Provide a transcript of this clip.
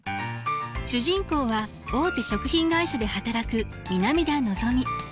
主人公は大手食品会社で働く南田のぞみ。